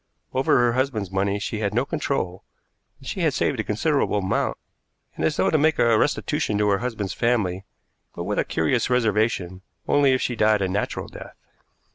Over her husband's money she had no control, but she had saved a considerable amount, and, as though to make restitution to her husband's family, but with a curious reservation only if she died a natural death.